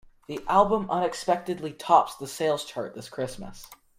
The album unexpectedly tops the sales chart this Christmas.